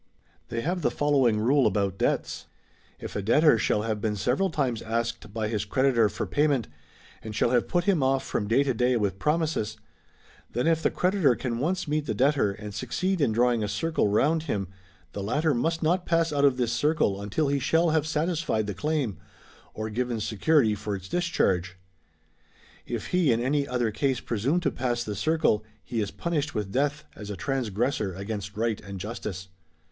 [They have the following rule about debts. If a debtor shall have been several times asked by his creditor for pay ment, and shall have put him off from day to day with promises, then if the creditor can once meet the debtor and succeed in drawing a circle round him, the latter must not pass out of this circle until he shall have satisfied the claim, or given security for its discharge. If he in any other case presume to pass the circle he is punished with death as a transgressor against right and justice.